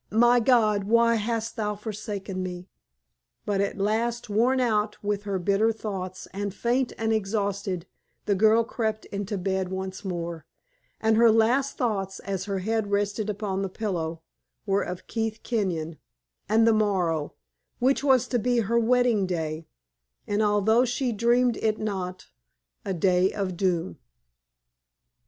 my God! why hast Thou forsaken me?" But at last, worn out with her bitter thoughts, and faint and exhausted, the girl crept into bed once more; and her last thoughts, as her head rested upon the pillow, were of Keith Kenyon, and the morrow, which was to be her wedding day, and, although she dreamed it not, a day of doom.